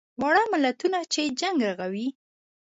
واړه ملتونه چې جنګ رغوي.